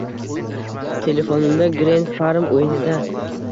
- Telefonimda, Green Farm o'yinida..